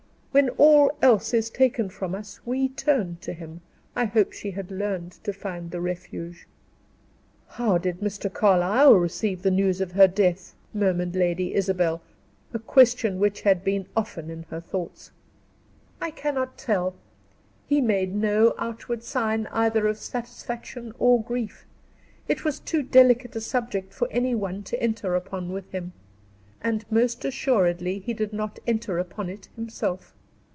When all else is taken from us, we turn to him; I hope she had learned to find the Refuge." "How did Mr. Carlyle receive the news of her death?" murmured Lady Isabel, a question which had been often in her thoughts. "I cannot tell; he made no outward sign either of satisfaction or grief. It was too delicate a subject for any one to enter upon with him, and most assuredly he did not enter upon it himself.